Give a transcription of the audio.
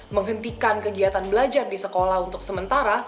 menghentikan kegiatan belajar di sekolah untuk sementara